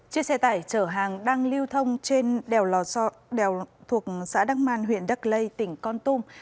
chiếc xe tải chở hàng đang lưu thông trên đèo thuộc xã đăng man huyện đắc lây tỉnh con tum